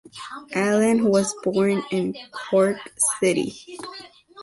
Allen was born in Cork city.